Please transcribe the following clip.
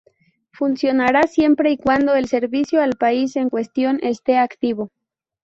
Funcionará siempre y cuando el servicio al país en cuestión este activo.